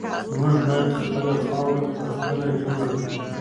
موږ باید خپله خاوره پخپله جوړه کړو.